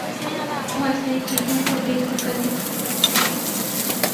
بہت ساری چیزوں کو بیک وقت کرنے کی صلاحیت رکھتا ہوں